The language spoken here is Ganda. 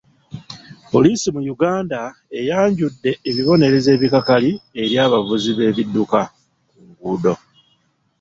Poliisi mu Uganda eyanjudde ebibonerezo ebikakali eri abavuzi b'ebidduka ku nguudo.